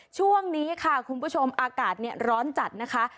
ช่วงนี้ค่ะคุณผู้ชมอากาศร้อนจัดนะคะ